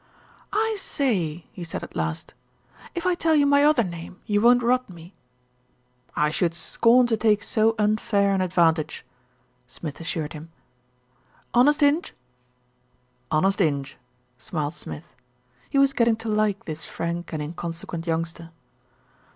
"I say," he said at last. "If I tell you my other name, you won't rot me?" "I should scorn to take so unfair an advantage," Smith assured him. "Honest Inj?" "Honest Inj," smiled Smith. He was getting to like this frank and inconsequent youngster.